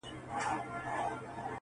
باندي جوړ د موږکانو بیر و بار وو-